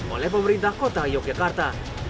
oleh pemerintah kota yogyakarta